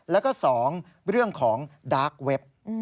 แล้วก็๒เรื่องของดาร์กเว็บ